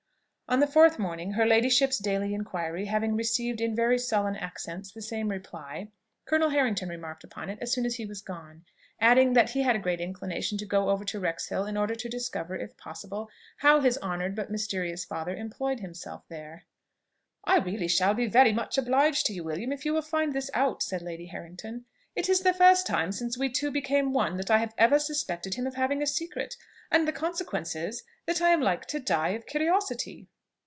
On the fourth morning, her ladyship's daily inquiry having received in very sullen accents the same reply. Colonel Harrington remarked upon it as soon as he was gone; adding, that he had a great inclination to go over to Wrexhill, in order to discover, if possible, how his honoured but mysterious father employed himself there. "I really shall be very much obliged to you, William, if you will find this out," said Lady Harrington. "It is the first time since we two became one that I have ever suspected him of having a secret; and the consequence is, that I am like to die of curiosity."